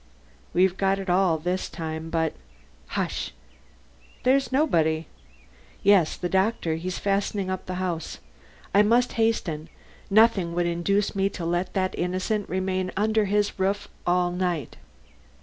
We've got it all this time. But " "Hush!" "There's nobody." "Yes, the doctor; he's fastening up his house. I must hasten; nothing would induce me to let that innocent remain under his roof all night."